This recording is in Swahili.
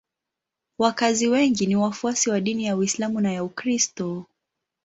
Wakazi wengi ni wafuasi wa dini ya Uislamu na ya Ukristo.